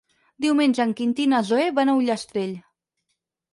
Diumenge en Quintí i na Zoè van a Ullastrell.